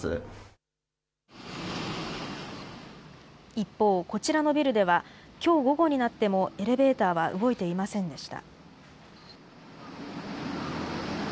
一方、こちらのビルでは、きょう午後になってもエレベーターは動いていませんでした。